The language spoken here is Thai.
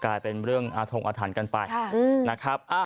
กลายเป็นเรื่องอธงอธันต์กันไปนะครับอ้าว